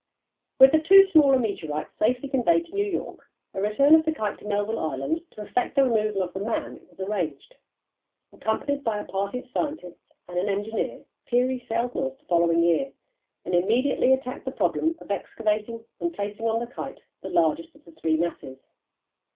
With the two smaller meteorites safely conveyed to New York, a return of the Kite to Melville Island to effect the removal of the "man" was arranged. Accompanied by a party of scientists and an engineer, Peary sailed north the following year and immediately attacked the problem of excavating and placing on the Kite the largest of the three masses.